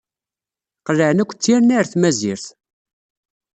Qelɛen akk d tirni ar tmazirt.